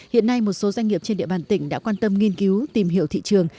hiện nay một số doanh nghiệp trên địa bàn tỉnh đã quan tâm nghiên cứu tìm hiểu thị trường